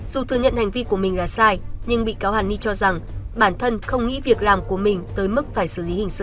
dù thừa nhận hành vi của mình là sai nhưng bị cáo hàn ni cho rằng bản thân không nghĩ việc làm của mình tới mức phải xử lý hình sự